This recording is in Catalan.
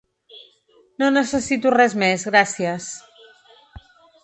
No necessito res més gràcies.